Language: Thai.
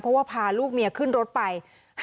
เพราะว่าพาลูกเมียขึ้นรถไป